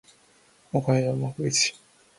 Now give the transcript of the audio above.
北海道幕別町